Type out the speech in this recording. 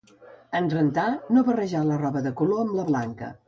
En rentar no barrejar la roba de color amb la blanca